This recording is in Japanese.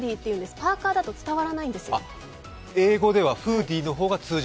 パーカーだと伝わらないんです。